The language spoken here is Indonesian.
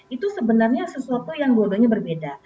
itu sebenarnya sesuatu yang bodohnya berbeda